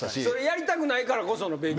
やりたくないからこその勉強。